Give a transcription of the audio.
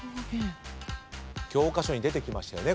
教科書に出てきましたよね。